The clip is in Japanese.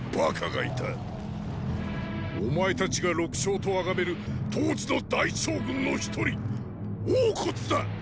お前たちが“六将”と崇める当時の大将軍の一人王だ。